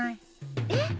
えっ！？